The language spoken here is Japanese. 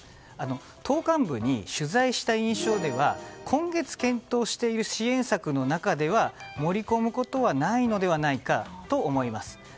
党幹部に取材した印象では今月検討している支援策の中では盛り込むことはないのではないかと思います。